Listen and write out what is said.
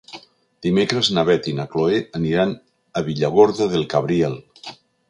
Dimecres na Beth i na Chloé aniran a Villargordo del Cabriel.